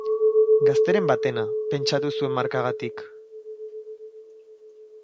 Gazteren batena, pentsatu zuen markagatik.